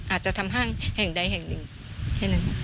อาจจะทำห้างแห่งใดแห่งหนึ่งแค่นั้น